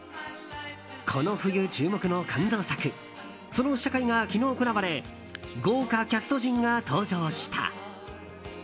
この冬、注目の感動作その試写会が昨日行われ豪華キャスト陣が登場した。